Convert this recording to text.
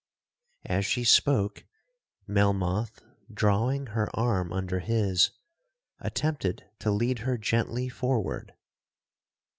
'As she spoke, Melmoth, drawing her arm under his, attempted to lead her gently forward.